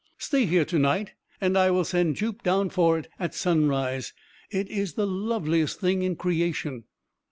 Stay here to night, and I will send Jup down for it at sunrise. It is the loveliest thing in creation!"